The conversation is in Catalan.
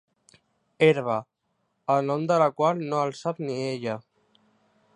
Herba, el nom de la qual no el sap ni ella.